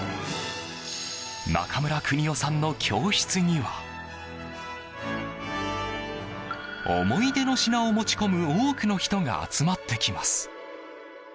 ナカムラクニオさんの教室には思い出の品を持ち込む多くの人が集まってきます。